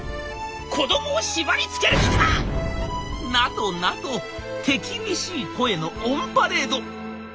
「子供を縛りつける気か！」などなど手厳しい声のオンパレード。